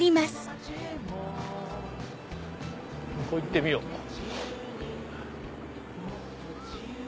向こう行ってみよう。